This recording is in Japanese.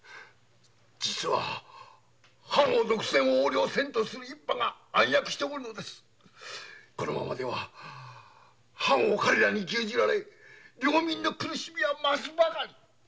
実は藩を独占横領せんとする一派が暗躍しておりこのままでは藩は彼らに牛耳られ領民の苦しみは増すばかり。